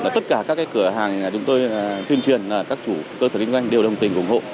tất cả các cửa hàng chúng tôi tuyên truyền các chủ cơ sở kinh doanh đều đồng tình ủng hộ